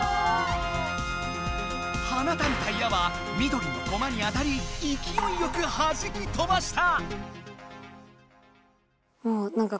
はなたれた矢は緑のコマに当たりいきおいよくはじき飛ばした！